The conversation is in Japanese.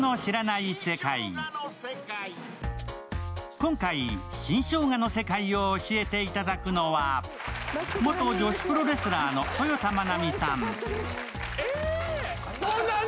今回、新生姜の世界を教えていただくのは、元女子プロレスラーの豊田真奈美さん。